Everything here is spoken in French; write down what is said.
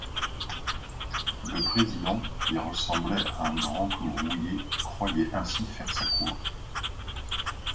Le président, qui ressemblait à un grand clou rouillé, croyait ainsi faire sa cour.